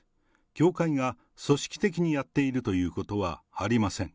教会が組織的にやっているということはありません。